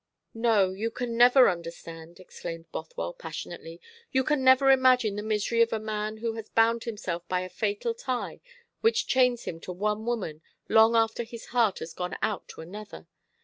"No, you can never understand," exclaimed Bothwell passionately. "You can never imagine the misery of a man who has bound himself by a fatal tie which chains him to one woman, long after his heart has gone out to another.